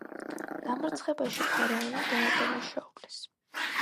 დამარცხებაში ფარაონი დაადანაშაულეს.